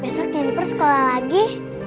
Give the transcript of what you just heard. besok jennifer sekolah lagi